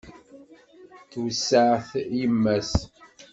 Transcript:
Tweṣṣa-t yemma-s.